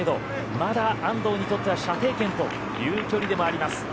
まだ安藤にとっては射程圏という距離でもあります。